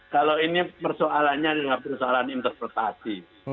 kalau ini persoalannya adalah persoalan interpretasi